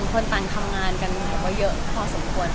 กระต่างคนก็เยอะของสมควรค่ะ